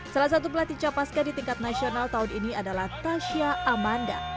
salah satu pelatih capaska di tingkat nasional tahun ini adalah tasya amanda